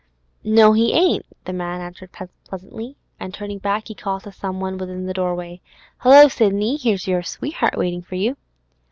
'No, he ain't,' the man answered pleasantly; and turning back, he called to some one within the doorway; 'Hello, Sidney! here's your sweetheart waiting for you.